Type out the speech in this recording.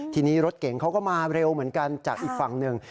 ทีนี้รถเก่งเขาก็มาเร็วเหมือนกันจากอีกฝั่งหนึ่ง